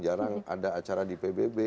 jarang ada acara di pbb